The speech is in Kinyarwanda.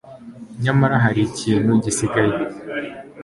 Nyamara hari ikintu gisigaye